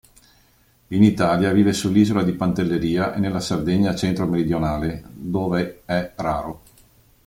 In Italia vive sull'isola di Pantelleria e nella Sardegna centro-meridionale, dove è raro.